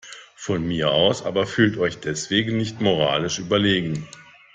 Von mir aus, aber fühlt euch deswegen nicht moralisch überlegen.